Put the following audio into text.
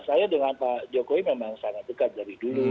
saya dengan pak jokowi memang sangat dekat dari dulu